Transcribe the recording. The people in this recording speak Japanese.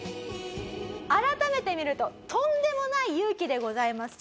改めて見るととんでもない勇気でございます。